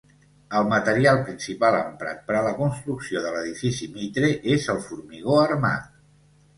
El material principal emprat per a la construcció de l'Edifici Mitre és el formigó armat.